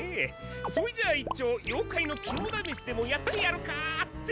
それじゃあいっちょう妖怪のきもだめしでもやってやるかって。